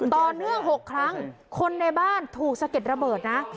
ต่อเนื่อง๖ครั้งคนในบ้านถูกสะเก็ดระเบิดนะ